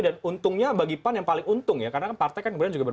dan untungnya bagi pan yang paling untung ya karena partai kan juga berbicara tentang